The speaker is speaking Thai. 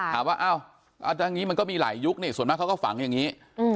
หาว่าอ้าวอันนี้มันก็มีหลายยุคส่วนมากเขาก็ฝังอย่างนี้